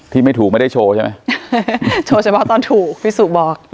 ที่ไม่ถูกไม่ได้โชว์ใช่ไหมโชว์เฉพาะตอนถูกพี่สุบอก